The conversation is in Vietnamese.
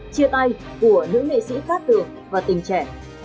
chia tay của nữ nghệ sĩ phát tượng và tình trẻ